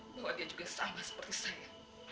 bahwa dia juga sama seperti saya